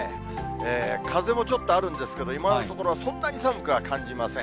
風もちょっとあるんですけど、今のところはそんなに寒くは感じません。